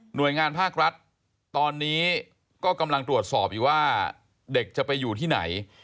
โดยงานภาครัฐตอนนี้ก็กำลังตรวจสอบอยู่ว่าเด็กจะไปอยู่ที่ไหน